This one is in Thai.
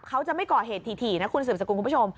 เขาจะไม่ก่อเหตุถี่นะคุณสืบสกุลคุณผู้ชม